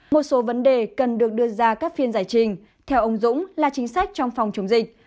một số vấn đề cần được đưa ra các phiên giải trình theo ông dũng là chính sách trong phòng chống dịch